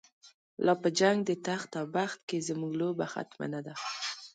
لا په جنگ د تخت او بخت کی، زمونږ لوبه ختمه نده